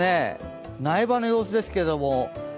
苗場の様子ですけど。